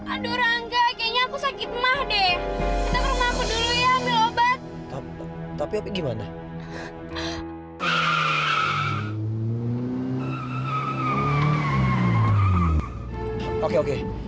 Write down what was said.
aduh rangga kayaknya aku sakit mah deh